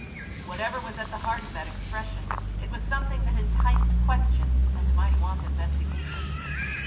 Whatever was at the heart of that expression, it was something that enticed question and might want investigation.